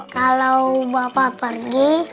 kalau bapak pergi